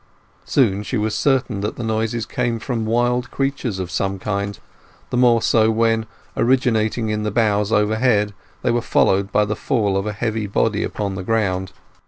Soon she was certain that the noises came from wild creatures of some kind, the more so when, originating in the boughs overhead, they were followed by the fall of a heavy body upon the ground.